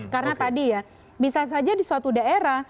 karena tadi ya bisa saja di suatu daerah